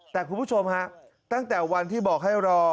แต่คุณผู้ชมฮะตั้งแต่วันที่บอกให้รอ